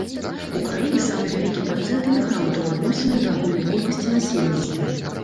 У краіне самы вялікі працэнт эмігрантаў у адносінах да агульнай колькасці насельніцтва.